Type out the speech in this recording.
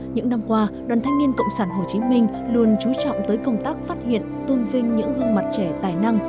những năm qua đoàn thanh niên cộng sản hồ chí minh luôn trú trọng tới công tác phát hiện tôn vinh những gương mặt trẻ tài năng